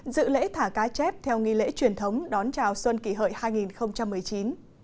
dự lễ thả cá chép theo nghi lễ truyền thống đón chào xuân kỷ hợi hai nghìn một mươi chín